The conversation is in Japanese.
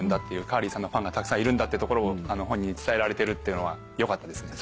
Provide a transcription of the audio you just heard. カーリーさんのファンがたくさんいるんだってところを本人に伝えられてるっていうのはよかったですね。